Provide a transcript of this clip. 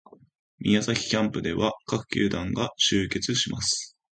宮崎キャンプでは各球団が集結します